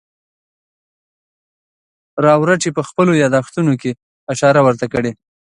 راورټي په خپلو یادښتونو کې اشاره ورته کړې.